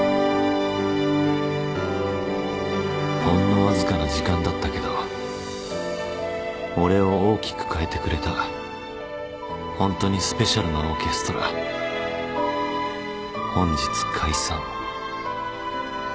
［ほんのわずかな時間だったけど俺を大きく変えてくれたホントにスペシャルなオーケストラ本日解散］